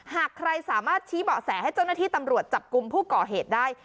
หากใครสามารถชี้เบาะแสให้เจ้าหน้าที่ตำรวจจับกลุ่มผู้ก่อเหตุได้